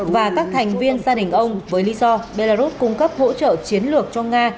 và các thành viên gia đình ông với lý do belarus cung cấp hỗ trợ chiến lược cho nga